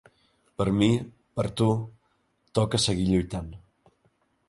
Per mi, per tu, toca seguir lluitant.